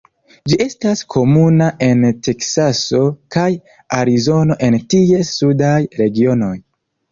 Ĝi estas komuna en Teksaso kaj Arizono en ties sudaj regionoj.